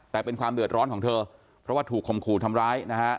แต่เป็นความเดือดร้อนของเธอเพราะว่าถูกคมขู่ทำร้ายนะฮะ